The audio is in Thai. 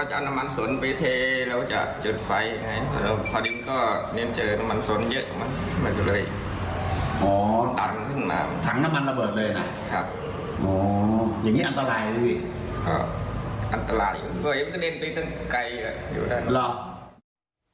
อ่าอันตรายแต่ว่ายังไม่ได้เดินไปทั้งไกลอยู่ด้านนี้